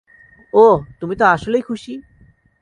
ওহ, তুমি তো আসলেই খুশি।